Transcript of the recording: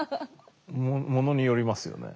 ものによりますよね。